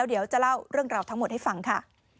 เดี๋ยวจะเล่าเรื่องราวทั้งหมดให้ฟังค่ะ